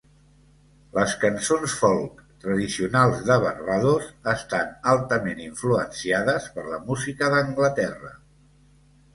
Les cançons folk tradicionals de Barbados estan altament influenciades per la música d'Anglaterra.